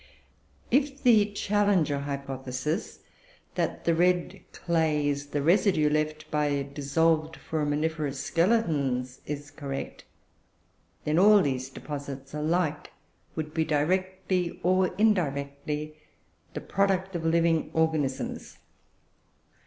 If the Challenger hypothesis, that the red clay is the residue left by dissolved Foraminiferous skeletons, is correct, then all these deposits alike would be directly, or indirectly, the product of living organisms.